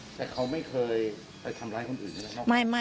แต่เขาไม่เคยทำร้ายคนอื่นนะ